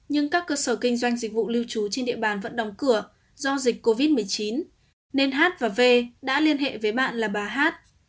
nhưng các cơ sở kinh doanh dịch vụ lưu trú trên địa bàn vẫn đóng cửa do dịch covid một mươi chín nên hát và v đã liên hệ với bạn là bà hát